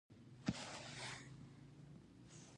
یاکس اهب اکسوک په تیکال کې شیام په څېر رول ولوباوه